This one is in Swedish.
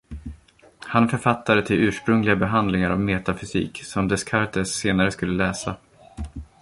Han är författare till ursprungliga behandlingar av metafysik, som Descartes senare skulle läsa.